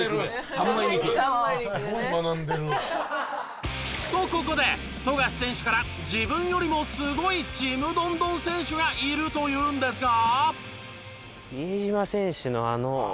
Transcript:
三枚肉でね。とここで富樫選手から自分よりもすごいちむどんどん選手がいるというんですが。